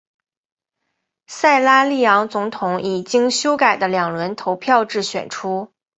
塞拉利昂总统以经修改的两轮投票制选出。